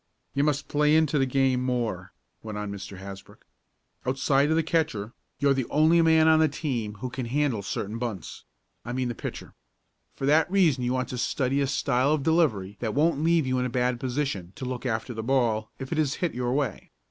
"You must play into the game more," went on Mr. Hasbrook. "Outside of the catcher, you're the only man on the team who can handle certain bunts I mean the pitcher. For that reason you want to study a style of delivery that won't leave you in a bad position to look after the ball if it is hit your way.